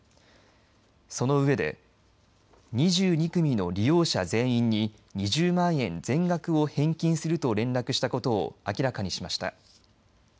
その上で２２組の利用者全員に２０万円全額を返金すると連絡したことを明らかにしました。